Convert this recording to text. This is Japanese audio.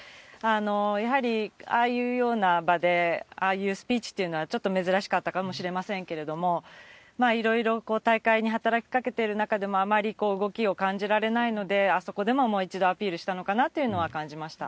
やはりああいうような場で、ああいうスピーチっていうのはちょっと珍しかったかもしれませんけれども、いろいろ大会に働きかけている中でも、あまり動きを感じられないので、あそこでももう一度アピールしたのかなというのは感じました。